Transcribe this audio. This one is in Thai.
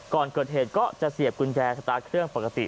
ก่อนเกิดเหตุก็จะเสียบกุญแจสตาร์ทเครื่องปกติ